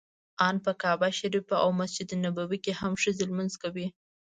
ان په کعبه شریفه او مسجد نبوي کې هم ښځې لمونځ کوي.